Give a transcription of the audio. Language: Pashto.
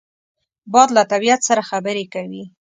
باد له طبیعت سره خبرې کوي